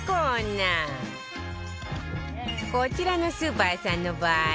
こちらのスーパーさんの場合